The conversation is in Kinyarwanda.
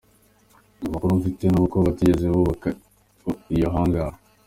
Amakuru mfite n’uko batigeze bubaka iyo « hangar ».